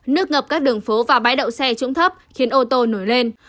nước ngập các đường phố và bái đậu xe trúng thấp khiến ô tô nổi lên